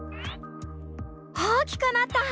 大きくなった！